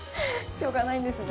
しょうがないんですね。